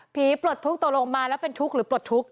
ปลดทุกข์ตกลงมาแล้วเป็นทุกข์หรือปลดทุกข์